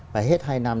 và hết hai năm